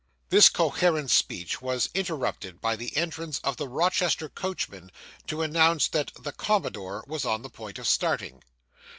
This coherent speech was interrupted by the entrance of the Rochester coachman, to announce that 'the Commodore' was on the point of starting.